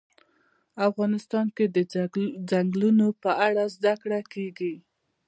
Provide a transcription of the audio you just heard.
افغانستان کې د ځنګلونه په اړه زده کړه کېږي.